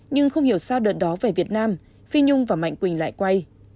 nhưng không hiểu sao đợt đó về việt nam phi nhung và mạnh quỳnh lại quay